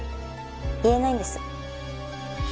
言えないんです。